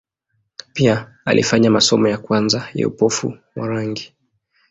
Pia alifanya masomo ya kwanza ya upofu wa rangi.